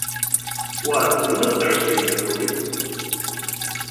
What, you were thirsty, were you?